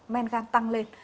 men gan tăng lên